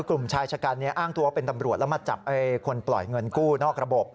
กลุ่มชายชะกันอ้างตัวเป็นตำรวจแล้วมาจับคนปล่อยเงินกู้นอกระบบ